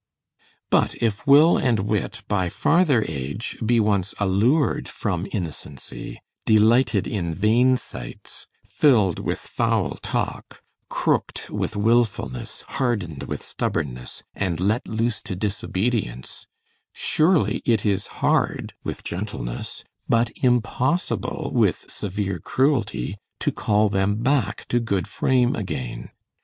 But if will and wit, by farther age, be once allured from innocency, delighted in vain sights, filled with foul talk, crooked with wilfulness, hardened with stubbornness, and let loose to disobedience; surely it is hard with gentleness, but impossible with severe cruelty, to call them back to good frame again.